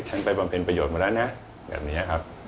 ไปบำเพ็ญประโยชน์มาแล้วนะแบบนี้ครับ